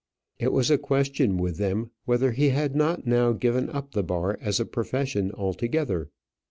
It was a question with them whether he had not now given up the bar as a profession altogether.